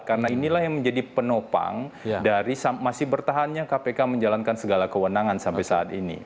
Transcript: karena inilah yang menjadi penopang dari masih bertahannya kpk menjalankan segala kewenangan sampai saat ini